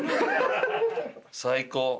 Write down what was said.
最高。